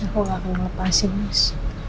aku nggak mau lepasin mas